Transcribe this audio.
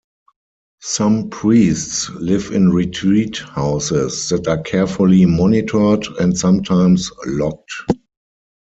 Some priests live in retreat houses that are carefully monitored and sometimes locked.